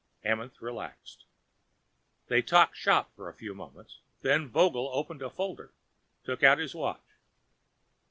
Amenth relaxed. They talked shop for a few moments, then Vogel opened a folder, took out his watch.